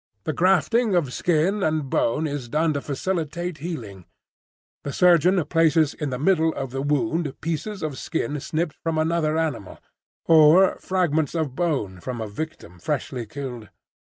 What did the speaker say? The grafting of skin and bone is done to facilitate healing: the surgeon places in the middle of the wound pieces of skin snipped from another animal, or fragments of bone from a victim freshly killed.